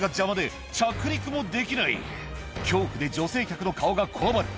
この状態じゃ、恐怖で女性客の顔がこわばる。